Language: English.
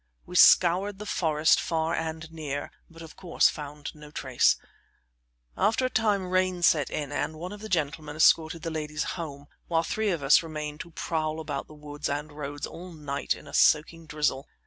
We scoured the forest far and near, but of course found no trace. After a time rain set in and one of the gentlemen escorted the ladies home, while three of us remained to prowl about the woods and roads all night in a soaking drizzle.